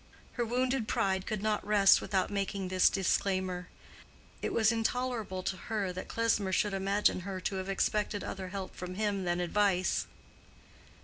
Her wounded pride could not rest without making this disclaimer. It was intolerable to her that Klesmer should imagine her to have expected other help from him than advice.